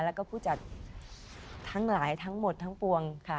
แล้วก็ผู้จัดทั้งหลายทั้งหมดทั้งปวงค่ะ